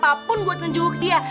gue harus ngajarin buat ngejenguk dia